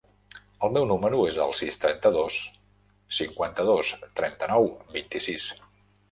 El meu número es el sis, trenta-dos, cinquanta-dos, trenta-nou, vint-i-sis.